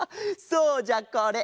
そうじゃこれ。